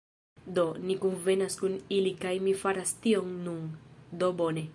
Do, ni kunvenas kun ili kaj mi faras tion nun. Do bone.